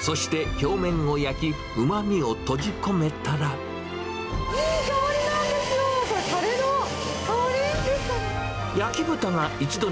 そして表面を焼き、うまみを閉じいい香りなんですよ、これ、たれの香りですかね。